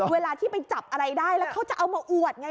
เวลาที่ไปจับอะไรได้แล้วเขาจะเอามาอวดไง